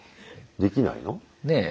・できないの？ねぇ。